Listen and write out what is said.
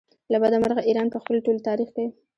له بده مرغه ایران په خپل ټول تاریخ کې.